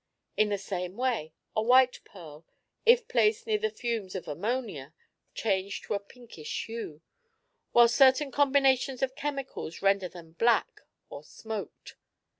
In the same way a white pearl, if placed near the fumes of ammonia, changes to a pinkish hue, while certain combinations of chemicals render them black, or 'smoked.'